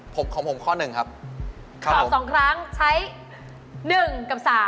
ตอบ๒ครั้งจะใช้๑กับ๓